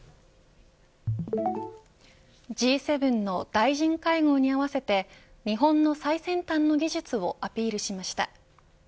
Ｇ７の大臣会合に合わせて日本の最先端の技術をアピールしました。